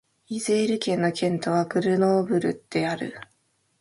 イゼール県の県都はグルノーブルである